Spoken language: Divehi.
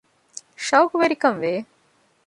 ޝައުޤުވެރިކަން ވެ